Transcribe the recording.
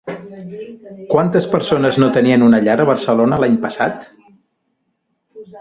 Quantes persones no tenien una llar a Barcelona l'any passat?